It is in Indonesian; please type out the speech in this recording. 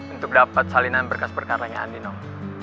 untuk dapat salinan berkas perkaranya andin om